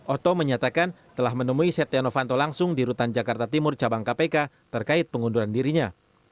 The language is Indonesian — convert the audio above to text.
oto menyatakan telah menemui setia novanto langsung di rutan jakarta timur cabang kpk terkait pengunduran dirinya